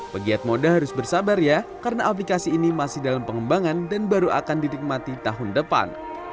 pegiat moda harus bersabar ya karena aplikasi ini masih dalam pengembangan dan baru akan didikmati tahun depan